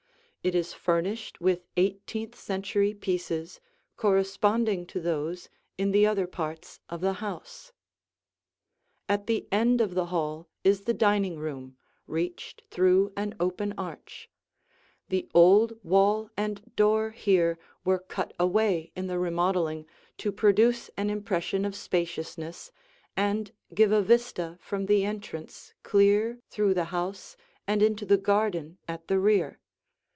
It is furnished with eighteenth century pieces corresponding to those in the other parts of the house. [Illustration: Two Views of the Dining Room] At the end of the hall is the dining room, reached through an open arch. The old wall and door here were cut away in the remodeling to produce an impression of spaciousness and give a vista from the entrance clear through the house and into the garden at the rear.